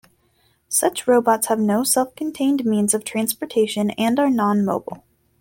Such robots have no self-contained means of transportation and are non-mobile.